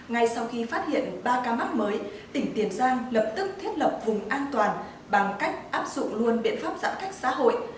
ngay sau khi phát hiện ba ca mắc mới tỉnh tiền giang lập tức thiết lập vùng an toàn bằng cách áp dụng luôn biện pháp giãn cách xã hội